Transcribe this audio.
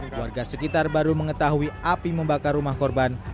keluarga sekitar baru mengetahui api membakar rumah korban